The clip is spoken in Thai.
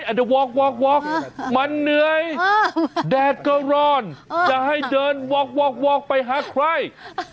อาจจะวอกมันเหนื่อยแดดก็ร้อนจะให้เดินวอกไปหาใคร